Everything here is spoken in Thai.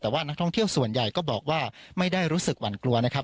แต่ว่านักท่องเที่ยวส่วนใหญ่ก็บอกว่าไม่ได้รู้สึกหวั่นกลัวนะครับ